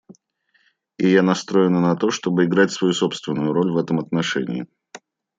И я настроена на то, чтобы играть свою собственную роль в этом отношении.